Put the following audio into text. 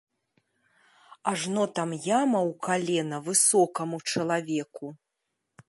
Ажно там яма ў калена высокаму чалавеку.